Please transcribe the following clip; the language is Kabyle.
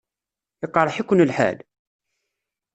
Iqṛeḥ-iken lḥal?